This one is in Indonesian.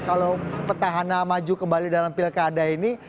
kalau petahana maju kembali dalam pilkada ini